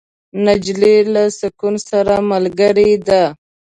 نجلۍ له سکون سره ملګرې ده.